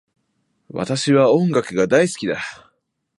私は音楽が大好きだ